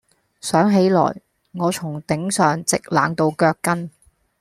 想起來，我從頂上直冷到腳跟。